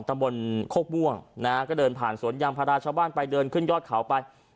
ตำบลโคกม่วงนะฮะก็เดินผ่านสวนยางพาราชาวบ้านไปเดินขึ้นยอดเขาไป